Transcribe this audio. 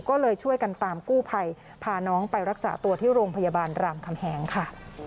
ก็เลยช่วยกันตามกู้ภัยพาน้องไปรักษาตัวที่โรงพยาบาลรามคำแหงค่ะ